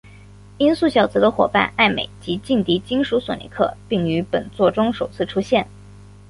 音速小子的夥伴艾美及劲敌金属索尼克并于本作中首次出现。